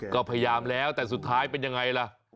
ก็พยายามแล้วแต่สุดท้ายเป็นยังไงล่ะ